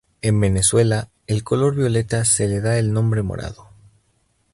En Venezuela el color violeta se le da el nombre morado.